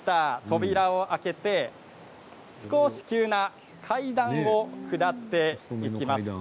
扉を開けて少し急な階段を下っていきます。